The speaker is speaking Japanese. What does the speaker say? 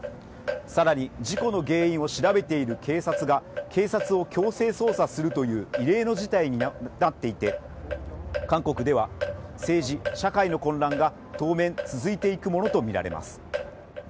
さらに事故の原因を調べている警察が警察を強制捜査するという異例の事態になっていて韓国では政治社会の混乱が当面続いていくものと見られます